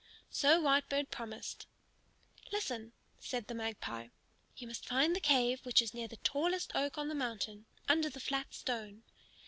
So Whitebird promised. "Listen," said the Magpie. "You must find the cave which is near the tallest oak on the mountain, under the flat stone.